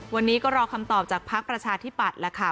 วันนี้ก็รอคำตอบจากภักดิ์ประชาธิปัตย์แล้วค่ะ